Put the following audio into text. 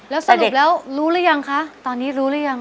แล้วสรุปแล้วรู้หรือยังคะตอนนี้รู้หรือยัง